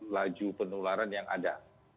laju penularan yang ada